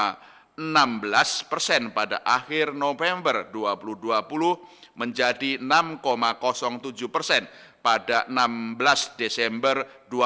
karena enam belas persen pada akhir november dua ribu dua puluh menjadi enam tujuh persen pada enam belas desember dua ribu dua puluh